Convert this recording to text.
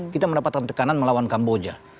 kita mendapatkan tekanan melawan kamboja